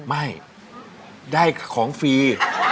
ไม่ได้ของฟรี